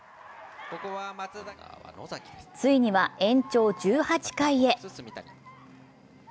ついには延長１８回へ。